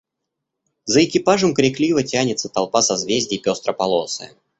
За экипажем крикливо тянется толпа созвездий пестрополосая.